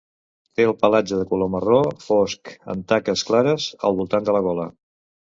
Té el pelatge de color marró fosc amb taques clares al voltant de la gola.